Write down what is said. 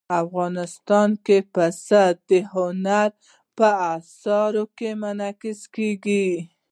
افغانستان کې پسه د هنر په اثار کې منعکس کېږي.